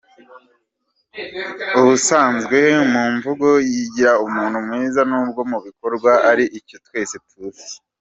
Ubusanzwe mumvugo yigira umuntu mwiza nubwo mubikorwa ari icyo twese tuzi.